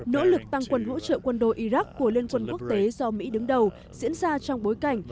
nỗ lực tăng quân hỗ trợ quân đội iraq của liên quân quốc tế do mỹ đứng đầu diễn ra trong bối cảnh